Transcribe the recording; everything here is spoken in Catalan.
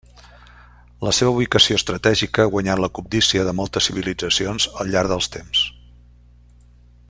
La seva ubicació estratègica ha guanyat la cobdícia de moltes civilitzacions al llarg dels temps.